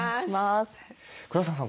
黒沢さん